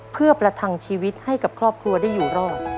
เพื่อประทังชีวิตให้กับครอบครัวได้อยู่รอด